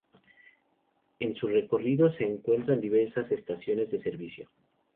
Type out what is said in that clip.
En su recorrido se encuentran diversas estaciones de servicio.